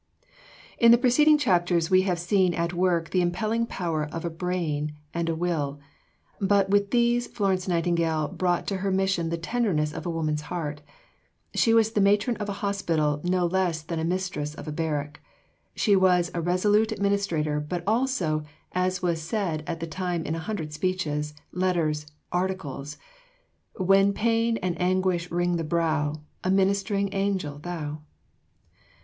In the preceding chapters we have seen at work the impelling power of a brain and a will; but, with these, Florence Nightingale brought to her mission the tenderness of a woman's heart. She was the matron of a hospital no less than the mistress of a barrack. She was a resolute administrator; but also, as was said at the time in a hundred speeches, letters, articles: When pain and anguish wring the brow, A ministering angel thou.